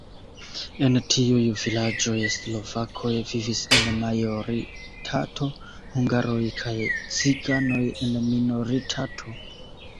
En tiuj vilaĝoj slovakoj vivis en majoritato, hungaroj kaj ciganoj en minoritato.